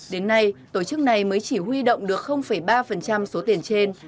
đến nay tổ chức này mới chỉ huy động được ba số tiền trên